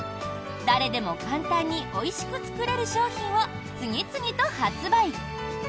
誰でも簡単においしく作れる商品を次々と発売。